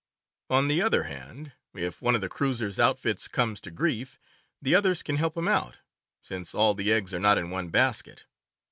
On the other hand, if one of the cruisers' outfits comes to grief, the others can help him out, since all the eggs are not in one basket.